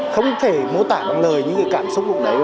không thể mô tả bằng lời những cảm xúc bùng đấy